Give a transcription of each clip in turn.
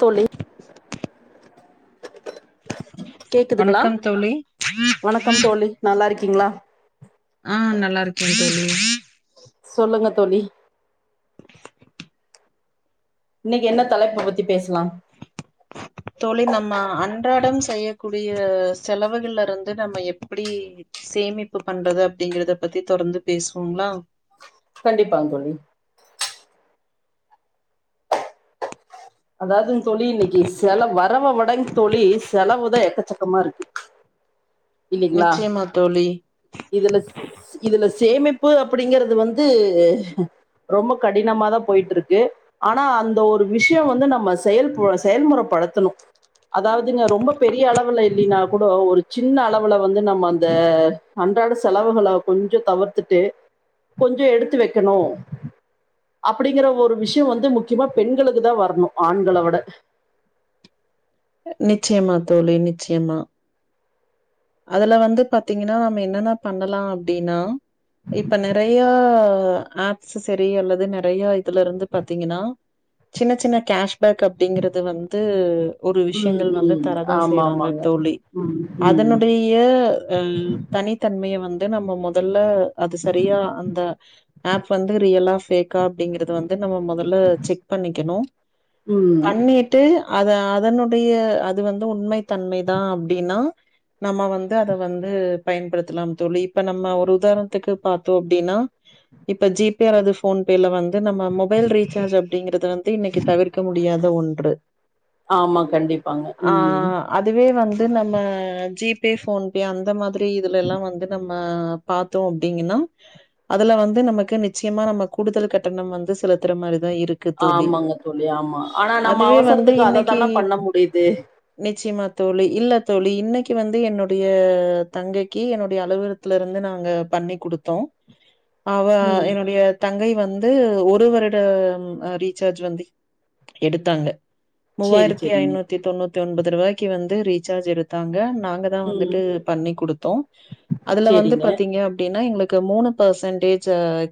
தோழி ம் வணக்கம் தோழி நல்லாருக்கீங்ளா ஆ நல்லா இருக்கேன் தோழி சொல்லுங்க தோழி இன்னைக்கு என்ன தலைப்பு பத்தி பேசலா [unintelligible] தோழி நம்ம அன்றாடம் செய்யக்கூடிய செலவுகள்லருந்து நம்ம எப்படி சேமிப்பு பண்றது அப்டிங்கிறத பத்தி தொடர்ந்து பேஸ்வோமா கண்டிப்பாங் தோழி அதாவ்து தோழி இன்னைக்கு செலவு வரவவிடவு தோழி செலவுதா எக்கச்சக்கமா இருக்கு இன்னைக்ங்ளா நிச்சயமா தோழி இதுலஸ் இதுல சேமிப்பு அப்படிங்கறது வந்து ரொம்ப கடினமாதா போயிட்டிருக்கு ஆனா அந்த ஒரு விஷயம் வந்து நம்ம செயல்ப செயல்முறப்படுத்தணும் அதாவ்துங்க ரொம்ப பெரிய அளவுல இல்லீனா கூட ஒரு சி சின்ன அளவுல வந்து நம்ம அந்த அன்றாட செலவுகள கொஞ்சோ தவிர்த்துட்டு கொஞ்சோ எடுத்து வெக்கணு அப்படிங்கிற ஒரு விஷயம் வந்து முக்கியமா பெண்களுக்கு தா வரணும் ஆண்கள விட நிச்சயமா தோழி நிச்சயமா அதுல வந்து பாத்தீங்கன்னா நம்ம என்ன என்ன பண்ணலா அப்டின்னு இப்ப நெறைய ஆப்சஸ்சரி அல்லது நெறைய இதுல இருந்து பாத்தீங்கன்னா சின்ன சின்ன கேஷ்பேக் அப்டிங்கிறது வந்து ஒரு ம் விஷயங்கள் வந்து ம் தர தா ஆமா செய்றாங்க ஆமாங்க. தோழி ம் ம் அதனுடைய ம் தனித்தன்மைய வந்து நம்ம மொதல்ல அது சரியா அந்த ஆப் வந்து ரியலா ஃபேக்கா அப்படிங்கிறது வந்து நம்ம மொதல்ல செக் பண்ணிக்கணும் ம் விட்டு அத அதனுடைய அது வந்து உண்மை தன்மை தா அப்டின்னா நம்ம வந்து அத வந்து பயன்படுத்தலாம் தோழி இப்ப நம்ம ஒரு உதாரணத்துக்கு பாத்தோ அப்டின்னா இப்ப ஜி பே அல்லது ஃபோன் பேல வந்து நம்ம மொப் பைல் ரீசார்ஜ் அப்படிங்கிறது வந்து இன்னைக்கு தவிர்க்க முடியாத ஒன்று ஆமா கண்டிப்பாங்க ஆ ம் அதுவே வந்து நம்ம ஜி பே ஃபோன் பே அந்த மாதிரி இதுலல்லா வந்து நம்ம பாத்தோ அப்டிங்கன்னா அதுல வந்து நமக்கு நிச்சயமா நம்ம கூடுதல் கட்டணம் வந்து சிலர் தரமாரிதா இருக் ஆமாங்க தோழி ஆமா ஆனா நம்ம அதுவே வந்து அவசரத்துக்கு இன்னைக்கு அததான பண்ண முடியுது நிச்சயமா தோழி இல்ல தோழி இன்னைக் க்கி வந்து என்னுடைய தங்கைக்கு என்னுடைய அலுவலத்துலருந்து நாங்க பண்ணி குடுத்தோ [inaudible] அவ ம். என்னுடைய தங்கை வந்து ஒரு வருட ரீசார்ஜ் வந்து எடுத்தாங்க சரி, மூவாயிரத்தி சரிங்க. ஐநூத்தி தொண்ணூத்தி ஒன்பது ரூபாய்க்கு வந்து ரீசார்ஜ் எடுத்தாங்க நாங்க தா ம். வந்துட்டு பண்ணி குடுத்தோ அதுல வந்து சரிங்க. பாத்தீங்க அப்டின்னா எங்களுக்கு மூணு பர்சன்டேஜ்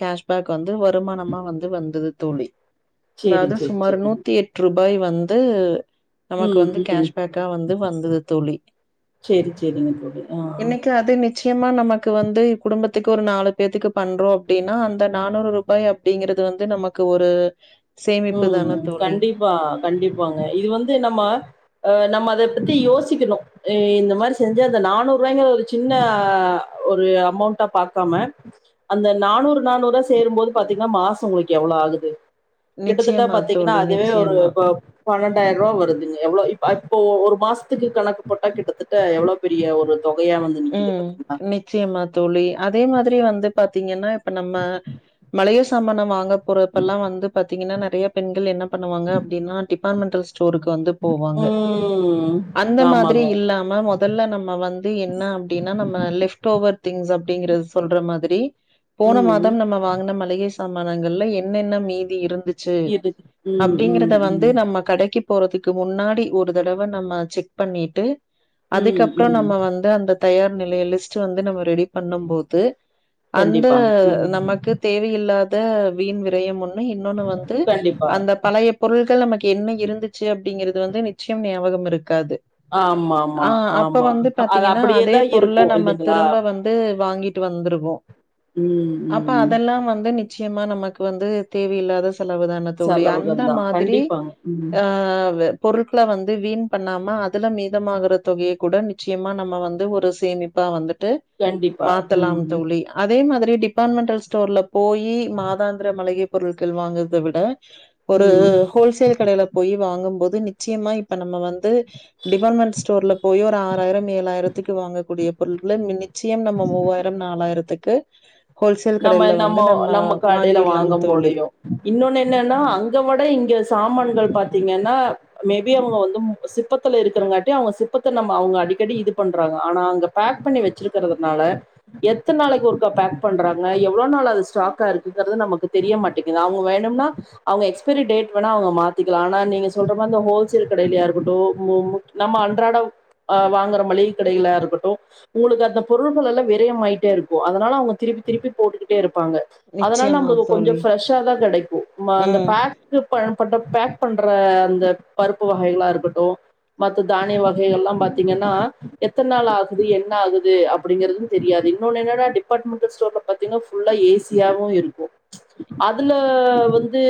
கேஸ் பேக் வந்து வருமானமா வந்து வந்துது தோழி சரி, அதாவது சரி, சுமார் சரிங்க. நூத்தி எட் டுரூபாய் வந்து நமக்கு ம், வந்து ம். கேஷ்பக்கா வந்து வந்துது தோழி சேரி சேரிங்க தோழி ஆ. இன்னைக்கு அது நிச்சயமா நமக்கு வந்து குடும்பத்துக்கு ஒரு நாலு பேத்துக்கு பண்றோ அப்டின்னா அந்த நானூறு ரூபாய அப்டிங்கறது வந்து நமக்கு ஒரு சேமிப்பு தான தோழி பா கண்டிப்பாங்க இது வந்து நம்ம ஆ நம்ம அது பத்தி யோசிக்கணு இந்த மாதிரி செஞ்ச அந்த நானூறு ரூபாய்ங்கற ஒரு சின்ன ஒரு அமௌண்ட்டா பாக்காம அந்த நானூறு நானூறா சேரும்போது பாத்தீங்கன்னா மாசோ உங்களுக்கு எவ்ளோ ஆகுது கிட்டத்தட்ட நிச்சயமா பாத்தீங்கன்னா தோழி, அதுவே ஒரு நிச்சயமா. இப்ப பன்னெண்டாயிருவா வருதுங்க எவ்ளோ இப்ப இப்போ ஒரு மாசத்துக்கு கணக்கு போட்டா கிட்டத்தட்ட எவ்ளோ பெரிய ஒரு தொகையா வந்து நிக்குது ம் பாத்தீங்களா நிச்சயமா தோழி அதே மாதிரி வந்து பாத்தீங்கன்னா இப்ப நம்ம மளிக சாமான வாங்க போறப்பெல்லா வந்து பாத்தீங்கன்னா நெறைய பெண்கள் என்ன பண்ணுவாங்க அப்டின்னா டிபார்ட்மெண்டல் ஸ் ஸ்டோருக்கு வந்து போவாங்க ம் அந்த மாதிரி ஆமாங்க இல்லாம மொதல்ல நம்ம வந்து எ ன்ன அப்டின்னா நம்ம லெஃப்ட் ஓவர் திங்ஸ் அப்டிங்கறது சொல்ற மாதிரி போன ம் மாதம் நம்ம வாங்குன மளிகை சாமானங்கல்ல என்னென்ன மீதி இருந்து சேரி இருக்கு ம் ம் அப்டிங்கறத வந்து ம் நம்ம கடைக்கி போறதுக்கு முன்னாடி ஒரு தடவ நம்ம செக் பண்ணிட்டு ம் அதுக்கப்றோ ம் நம்ம வந் து அந்த தயார் நிலைய லிஸ்ட் வந்து நம்ம ரெடி பண்ணுபோது அந்த கண்டிப்பாங்க ம் நமக்கு தேவயில்லாத வீண் விரயம் ஒண்ணு இன்னொன்னு வந்து கண்டிப்பா அந்த பழைய பொருள்கள் நமக்கு என்ன இருந்துச்சு அப்டிங்கறது வந்து நிச்சயம் ஞாபகம் இருக்காது ஆமா ஆமா ஆ அப்ப ஆமா வந்து அது பாத்தீங்கன்னா, அப்டியே தா இருக்கு இல்லைங்களா ந்து வாங்கிட்டு வந்துருவோ ம் அப்ப ம் அதெல்லா வந்து நிச் ச்சயமா நமக்கு வந்து தேவயில்லாத செலவுதான தோழி செலவுகள் அந்த தா மாதிரி கண்டிப்பாங்க ம் ஆ பொருட்கள வந்து வீண் பண்ணாம அதுல மீதமாகற தொகைய கூட நிச்சய ம்மா நம்ம வந்து ஒரு சேமிப்பா வந்துட்டு கண்டிப்பா மாத்தலா ம் தோழி அதே மாதிரி டிபார்ட்மென்ண்டல் ஸ்டோர்ல போய் மாதாந்திர மளிகை பொருள்கள் வாங்கரத விட ஒரு ம் ஹோல்சேல் கடையில போய் வாங்கும் போது நிச்சயமா இப்ப நம்ம வந்து டிபாட்மெண்ட் ஸ்டோர்ல போய் ஒரு ஆறாயிரம் ஏழாயிரத்துக்கு வாங்கக்கூடிய பொருள்கள நிச்சயம் நம்ம மூவாயிரம் நாலாயிரத்துக்கு ஹோல்சேல் நம்ம கடையில வந்து நம்ம கடையில வாங்க வாங்கிர்லாம் தோழி முடியு இன்னொன்னு என்னன்னா அங்க விட இங்க சாமான்கள் பாத்தீங்கன்னா மேபி அவங்க வந்து சிப்பத்துல இருக்கறங்காட்டி அவங்க சிப்பத்த நம்ம அவங்க அடிக்கடி இது பண்றாங்க ஆனா அங்க பேக் பண்ணி வெச்சிருக்கறதுனால எத்ன நாளைக்கு ஒருக்கா பேக் பண்றா ங்க எவ்ளோ நாள் அது ஸ்டாக்கா இருக்குங்கறது நமக்கு தெரிய மாட்டேங்குது அவங்க வேணும்னா அவங்க எக்ஸ்பைரி டேட் வேணா அவங்க மாத்திக்கலா ஆனா நீங்க சொல்ற மரி இந்த ஹோல்சேல் கடையிலயா இருக்கட்டு மு நம்ம அன்றாட அ வாங்குற மளிக கடையிலா இருக்கட்டு உங்களுக்கு அந்த பொருள்களெல்லா விரையமாயிட்டேருக்கு அதனால அவுங்க திருப் பி திருப்பி போட்டுக்கிட்டே இருப்பாங்க அதனால நிச்சயமா நம்மளுக்கு கொஞ்சோ தோழி. ஃப்ரெஷ்ஷா தா கெடைக்கு ம அந்த ம். பேக்கு பயன்பட்ட பேக் பண்ற அந்த பருப்பு வகைகளா இருக்கட்டு மத்த தானிய வகைகள்லா பாத்தீங்கன்னா எத்தன் நாள் ஆகுது என்ன ஆகுது அப் படிங்கறது தெரியாது இன்னொன்னு என்னன்னா டிபாட்மென்ண்டல் ஸ்டோர்ல பாத்தீங்னா ஃபுல்லா ஏசியாவு இருக்கு அதுல வந்து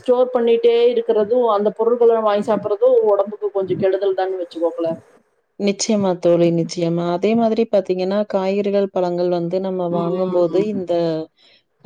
ஸ்டோர் பண்ணிட்டே இருக்குறது அந்த பொருட்கள நம் வாய்ன் சாப்பறது ஒடம்புக்கு கொஞ்சோ கெடுதல் தானு வெச்சுக்கோங்களே நிச்சயமா தோழி நிச்சயமா அதே மாதிரி பாத்தீங்கன்னா காய்கறிகள் பழங்கள் வந்து நம்ம வாங்கும் போது உம் இந்த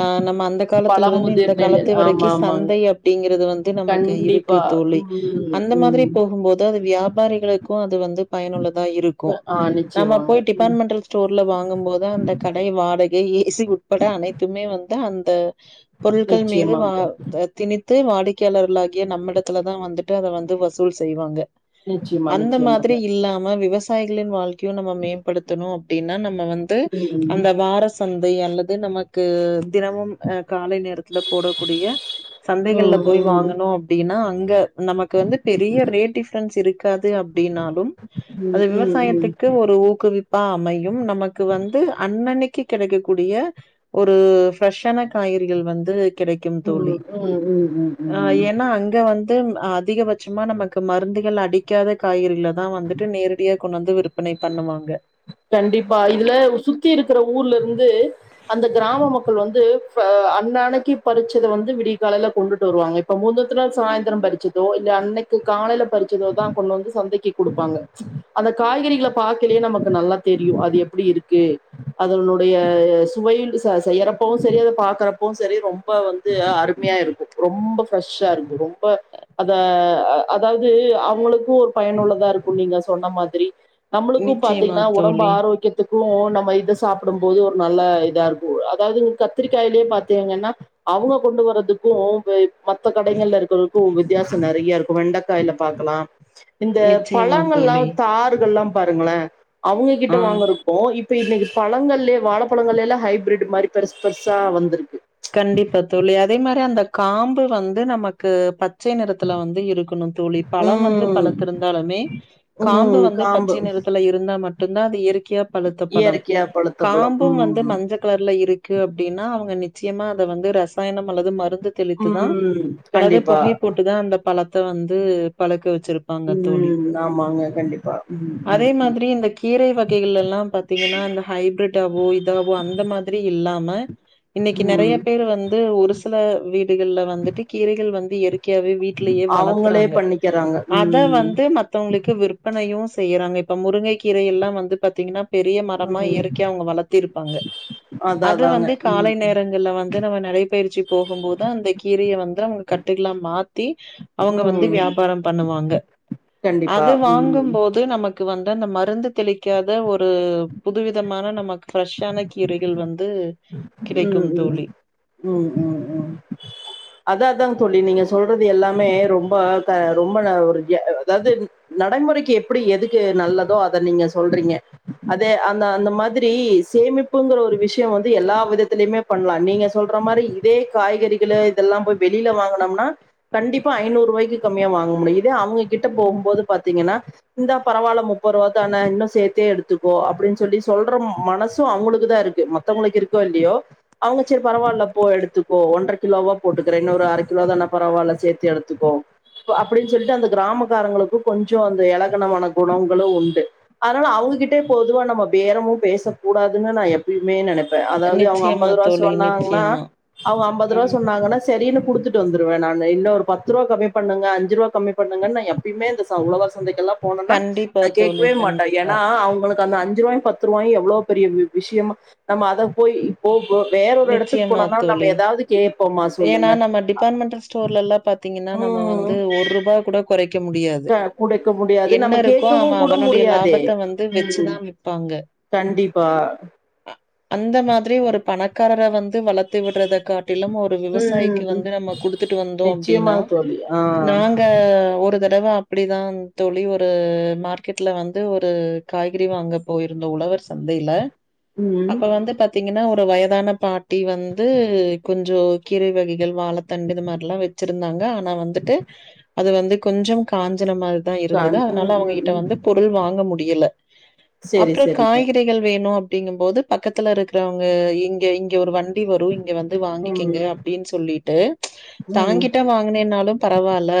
ஆ நம்ம அந்த காலத்லிருந்து இந்த பழமுதிர் நிலை காலத்து ஆமா வரைக்கு ஆமாங்க சந்தை அப்டிங்கிறது வந்து நமக்கு இருக்கு கண்டிப்பா தோழி உம் அந்த மாதிரி உம் போகும்போது அது வியாபாரிகளுக்கு அது வந்து பயனுள்ளதா இருக்கு ஆஹ் நம்ம நிச்சயமாங்க போய் உம் டிபாட்மெண்டல் ஸ்டோர்ல வாங்கும்போது அந்த கடை வாடகை ஏசி உட்பட அனைத்துமே வந்து அந்த பொருட்கள் மீது வா நிச்சயமாங்க தோழி அ திணித்து வாடிக்கையாளர்களாகிய நம்மிடத்துலதா வந்துட்டு அத வந்து வசூல் செய்வாங்க நிச்சயமா அந்த மாதி நிச்சயமாங்க இல்லாம விவசாயிகளின் வாழ்க்கியு நம்ம மேம்படுத்தணு அப்டின்னா நம்ம வந்து உம் அந்த வார சந்தை அல்லது நமக்கு தினமும் அ காலை நேரத் துல போடக்கூடிய உம் சந்தைகள்ல போய் உம் வாங்கணு அ ப்டின்னா அங்க நமக்கு வந்து பெரிய ரேட் டிஃப்ரன்ஸ் இருக்காது அப்டின்னா அது உம் உம் உம் உம் விவசாயத்துக்கு ஒரு ஊக்குவிப் பா அமையும் நமக்கு வந்து அன்னன்னைக்கி கெடைக்க கூடிய ஒரு ஃப்ரெஷ்ஷான காய்கறிகள் வந்து கிடைக்கும் தோழி உம் உம் ஆ உம் உம் ஏன்னா அங்க வந் து அதிகபட்சமா நமக்கு மருந்துகள் அடிக்காத காய்கறிக்ளதா வந்துட்டு நேரடியா கொண்ட் வந்து விறுப் பனை பண்ணுவாங்க கண்டிப்பா இதுல சுத்தி இருக்கிற ஊர்ல இருந்து அந்த கிராம மக்கள் வந்து ஃப அன்னான்னைக்கு பறிச்சத வந்து விடிய காலையில கொண்டுட்டு வருவாங்க இப்ப மூந்தத்த் நாள் சாயந்திரம் பறிச்சதோ இல்ல அன்னைக்கு காலையில பறிச்சதோதா கொண்டு வந்து சந்தைக்கு குடுப்பாங்க அந்த காய்கறிகள பாக்கலயே நமக்கு நல்லா தெரியு அது எப்படி இருக்கு அதனுடைய சுவையில் ச செய்றப்பவு செரி அத பாக்றப்பவு செரி ரொம்ப வந் து அருமையா இருக்கு ரொம்ப ஃப்ரெஷ்ஷா இருக்கு ரொம்ப அத அதாவது அவுங்களுக்கு ஒரு பயனுள்ளதா இருக்கு நீங்க சொன்ன மாதரி நம்ளுக்கு நிச்சயமா பாத்தீங்ன்னா ஒ தோழி, ஆரோக்யத்துக்கு நம்ம இத சாப்பிடும் போது ஒரு நல்ல இதா இருக்கு அதாவது கத்திரிக்காயிலே பாத்தீங்கன்னா அவுங்க கொண்டு வறதுக்கு இப் மத்த கடைகள்ல இருகிறருக்கு வித்தயாசோ நெறைய இருக்கு வெண்டைகாய்ல பாக்கலா இந்த நிச்சயமா பழங்கள்லா தோழி. தறுகள்லா பாருங்களே ஆ அவுங்ககிட்ட வாங்குற ப்போ இப்ப இன்னைக்கு பழங்கள்லே வாழைப்பழங்கள்லே ஹைப்ரிட்டு மாரி பெருஸ் பெருசா வந்திருக்கு கண்டிப்பா தோழி அதே மாரி அந்த காம்பு வந்து நமக்கு ப ச்சை நிறத்துல வந்து இருக்கணு தோழி பழம் வந்து ம் பழுத்திருந்தாலுமே காம்பு ம் வந்து காம்பு பச்சை நிறத்துல இருந்தா மட்டுந்தா அது இயற்கியா பழுத்த பழம் இயற்கையா பழுத்த பழம் காம்பூ வந்து ம் மஞ்ச கலர்ல இருக்கு அப்டின்னா அவுங்க நிச்சயமா அத வந்து ரசாயனம் அல்லது மருந்து தெளித்துதா ம் அல்லது கண்டிப்பா புகை போட்டுதா அந்த பழத்த வந்து பழுக்க வெச்சிருப் பாங்க தோழி ம் ஆமாங்க கண்டிப்பா ம் அதே மாதிரி இந்த கீரை வகைகள் எல்லா பாத்தீங்கன்னா இந்த ஹைப்ரிட்டாவோ இதாவோ அந்த மாரி இல்லாம இன்னைக்கு ம் நெறைய ம் பேர் வந்து ஒரு சில வீடுகள்ல வந்துட்டு கீரைகள் வந்து இயற்கையாவே வீட் லயே அவங்களே வளத்துறாங்க பண்ணிக்கிறாங்க அத ம் வந்து மத் தவங்களுக்கு விற்பனையு செய்யறாங்க இப்ப முருங்கை கீரை எல்லா வந்து பாத்திங்கன்னா பெரிய மரமா ம் இயற்கையா அவங்க வளத்திருப்பாங்க அதா அத அதாங்க வந்து காலை ம் ங்கள்ல வந்து நம்ம நடைபயிற்சி போகும் போது அந்த கீரையை வந்து நமக்கு கட்டுகளா மாத்தி அவங்க வந்து ம் வியாபாரம் பண்ணுவாங்க கண்டிப்பா, ம் போது நமக்கு வந்து அந்த மருந்து தெளிக்காத ஒரு புதுவிதமான நமக்கு ஃப்ரெஷ்ஷான கீரைகள் வந்து ம், கிடைக்கும் ம், தோழி. ம், ம், ம் அதா அதா தோழி நீங்க சொல்றது எல்லாமே ரொம்ப க ரொம்ப ஒரு எ அதாவது நடைமுறைக்கு எப்டி எதுக்கு நல்லதோ அத நீங்க சொல்றீங்க அதே அந்த அந்த மாதிரி சேமிப்புங்கிற ஒரு விஷய வந்து எல்லா வித த்திலியுமே பண்லா நீங்க சொல்ற மாரி இதே காய்கறிகள இதெல்லா போய் வெளியில வாங்கணம்னா கண்டிப்பா ஐநூறுபாய்க்கு கமிய வாங்க முடியு இதே அவங்க கிட்ட போகும்போது பாத்தீங்கனா இந்தா பரவாயில்ல முப்பது ரூவா தானா இன்னு சேத்தே எடுத்துக்கோ அப்டின்னு சொல்லி சொல்ற மனசு அவங்களுக்குதா இருக்கு ம த்தவங்களுக்கு இருக்கோ இல்லையோ அவங்க செரி பரவாயில்ல போ எடுத்துக்கோ ஒன்றரை கிலோவா போட்டுக்கிறே இன்னொரு அரை கிலோதானா பரவாயில்ல சேத்து எடுத்துக்கோ அப்டின்னு சொல்லிட்டு அந்த கிராமக்காரங்களுக்கு கொஞ்சோ அந்த எளகன மன குணங்களு உண்டு அதனால அவங்ககிட்டே பொதுவா நம்ம பேரமு பேசக்க கூடாதுன்னு நா எப்பயுமே நெனைப்பே அதாவது அவங்க அம்மா நிச்சயமா அப்பா தோழி, சொன்னாங்கனா நிச்சயமா. அவங்க அம்பது ரூவா ம். சொன்னா வாங்கனா சரின்னு குடுத்துட்டு வந்துடுவே நானு இன்னு ஒரு பத்து ரூவா கம்மி பண்ணுங்க அஞ்சு ரூவா கம்மி பண்ணுங்கனு நா எப் பயிமே இந்த ச உழவர் சந்தைக்கு எல்லா போனனா கண்டிப்பா நா தோழி, கேட்கவே மாட்டே கண்டிப்பா. ஏன்னா அவங்களுக் கு அந்த அஞ்சு ரூபாய் பத்து ரூபாய் எவ்வளோ பெரிய வி விஷயமா நம்ம அத போயி போ போ வேற ஒரு எடத்துக்கு நிச்சயமா போனோனா நம்ம தோழி. ஏதாவது கேப்போமா சொல்லுங்க, ஏன்னா நம்ம டிபார்ட்மெண்டல் ஸ்டோர்லலாம் பார்த்தீங்கன்னா, நம்ம ம் வந்து ரூ. கூட குறைக்க முடியாது. க குடைக்க முடியாது என்ன நம்ம இருக்கோ கேட்கவு அவன் கூட அவனுடைய முடியாதே லாபத்த வந்து வச்சு தான் கண்டிப்பா அ அந்த மாதிரி ஒரு பணக்காரர வந்து வளத்து விட்றதுக்கு காட்டிலும் ஒரு விவசாயிக்கு ம் வந்து நம்ம குடுத்துட்டு வந்தோ அப்டின்னா நிச்சயமாக தோழி ஆ நாங்க ஒ ரு தடவ அப்படிதா தோழி ஒரு மார்க்கெட்ல வந்து ஒரு காய்கறி வாங்க போயிருந்தோ உழவர் சந்தையில ம் அப்ப வந்து பாத்தீங்கனா ஒரு வயதான பாட்டி வந்து கொஞ்சோ கீரை வகைகள் வாழைத்தண்டு இது மாதிரிலா வச் சிருந்தாங்க ஆனா வந்துட்டு அது வந்து கொஞ்சோ காஞ்சன மாரி தா இருந்தது கண் அதனால ம் ம் அவங்ககிட்ட ம் வந்து பொருள் வாங்க முடியல செரி அப்பறோ செரிங்க காய்கறி கள் வேணு அப்படிங்கும்போது பக்கத்துல இருக்கிறவங்க இங்க இங்க ஒரு வண்டி வரு இங்க வந் து ம் வாங்கிக்கங்க அப்டின்னு சொல்லிட்டு ம் தாங்கிட்டே வாங்கலேன்னாலு பரவால்ல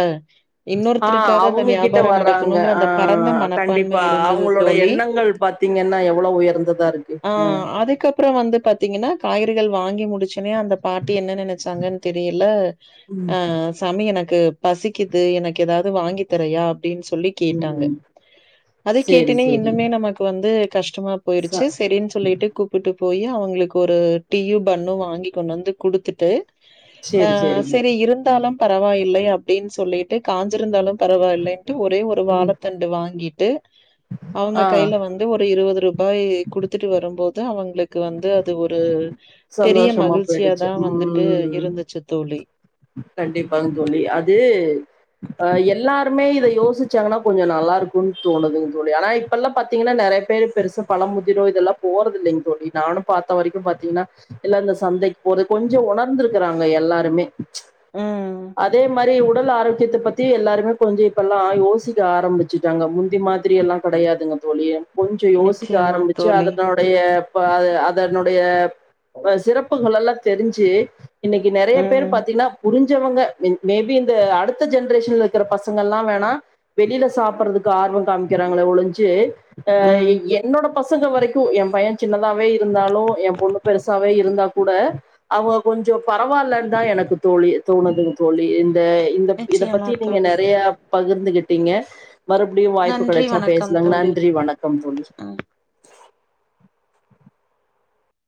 ஆ இன்னொருத்தருக்காவது அந்த அவங்க கிட்ட வியாபாரம் வர்றாங்க நடக்கணுங்கிற ஆ அந்த பரந்த மனப்பான்மை கண்டிப்பா இருந்தது அவங்களோட தோழி. எண்ணங்கள் பாத் தீங்கன்னா எவ்ளோ உயர்ந்ததா இருக்கு, ம் அப்பறோ வந்து பாத்தீங்கன்னா காய்கறிகள் வாங்கி முடிச்சோனே அந்த பாட்டி என்ன நெனச்சாங்கன்னு தெரியல ம் ஆ சாமி எனக்கு பசிக்குது எனக்கு ஏதாவது வாங்கி தரியா அப்டின்னு சொல்லி கேட்டாங்க ம் அது சேரி கேட்டோனே சேரி இன்னுமே நமக் வந்து கஷ்டமா ச போயிருச்சி செரின்னு சொல்லிட்டு கூப்பிட்டு போயி அவுங்களுக்கு ஒரு டீயு பன்னு வாங்கி கொண்டு வந்து குடுத்துட்டு ஆ சேரி சேரிங்க சைரி இருந்தாலும் பரவாயில்லை அப்டின்னு சொல்லிட்டு காஞ்சிருந்தாலும் பரவாயில்லைட்டு ஒரே ஒரு ம் வழத்தன் வாங்கிட்டு அவுங்க ஆ கையில வந்து ஒரு இருவது ரூபா பாய் குடுத்துட்டு வரும்போது அவுங்களுக்கு வந்து அது ஒரு பெரிய சந்தோஷமா மகிழ்ச்சியா போயிடுச்சி தான் வந்துட்டு ம் இருந்துச்சு தோழி. கண்டிப்பாங் தோழி அது ஆ எல்லாருமே இத யோசிச்சாங்கன்னா கொஞ்சோ நல்லா இருக்கும்னு தோணுதுங்க தோழி ஆனா இத் இப்பெல்லாம் பார்த்தீங்கன்னா நறைய பேர் பெரூச பழம் முதிரோ இதெல்லா போறது இல்லைங்க தோழி நானு பாத்த வரைக்கு பாத்தீங்கன்னா இல்ல இந்த சந்தைக்கு போது கொஞ்சோ ஒணர்ந்திருக்குறாங்க எல்லாருமே ம். அதே மாரி உடல் ஆரோக் முக்கியத்த பத்தி எல்லாருமே கொஞ்சோ இப்பெல்லா யோசிக்க ஆரம்பிச்சுட்டாங்க முந்தி மாரி எல்லா கெடையாதுங்க தோழி கொஞ்சோ யோசிக்க நிச்சயமா ஆரம்பிச்சி தோழி. அதனால் பழய பா அதனுடைய அ சிறப்புங்கள் எல்லா தெரிஞ்சி இன்னைக்கி நறைய பேரு ம். பாத்தீங்கன்னா புரிஞ் மிச்சோஇவுங்க மேபி இந்த அடுத்த ஜென்ரேஷன்ல இருக்கற பசங்கள்லா வேணா வெளியில சாப்புட்றதுக்கு ஆர்வோ காமிக்கிறாங்களே ஒழிஞ்சி ஆ ம். என்னோட பசங்க வரைக்கு எயா பைய சின்னதாவே இருந்தாலு எயா பொண்ணு பெருசாவே இருந்தா கூட அவங்க கொஞ்சோ பரவால்லன்னுதா எனக்கு தோழி தோணுதுங்க தோழி இந்த இந்த இத நிச்சயமா பத்தி நீங்க தோழி. நெறைய பகிர்ந்துகிட்டீங்க மறுபடியு வாய்ப்பு நன்றி, கெடைச்சா வணக்கம் பேசலங்க தோழி. நன்றி வணக்கம் தோழி அ.